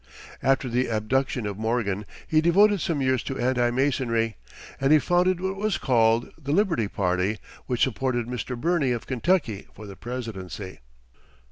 After the abduction of Morgan, he devoted some years to anti masonry, and he founded what was called the Liberty Party, which supported Mr. Birney, of Kentucky, for the presidency.